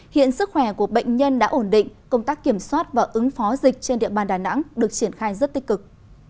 hiện sức khỏe của bệnh nhân đã ổn định công tác kiểm soát và ứng phó dịch trên địa bàn đà nẵng được triển khai rất tích cực